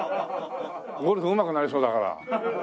ゴルフうまくなりそうだから。